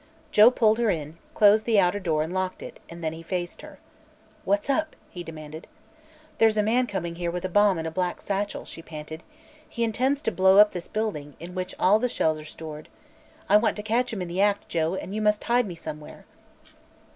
Joe pulled her in, closed the outer door and locked it, and then faced her. "What's up?" he demanded. "There's a man coming here with a bomb in a black satchel," she panted. "He intends to blow up this building, in which all the shells axe stored. I want to catch him in the act, Joe, and you must hide me somewhere."